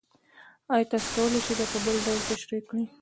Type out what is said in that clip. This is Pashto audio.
ایا تاسو کولی شئ دا په بل ډول تشریح کړئ؟